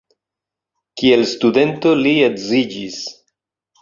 Kiel studento li edziĝis.